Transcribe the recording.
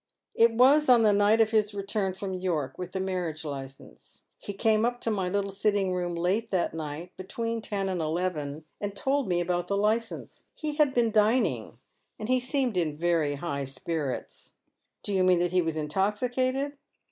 It was on the night of his return from York with the marriage licence. He came up to my little sitting room late that night, betwean ten and eleven, and told me about the licence. He had been dining, and he seemed in very high spirits." " Do you mean that he was intoxicated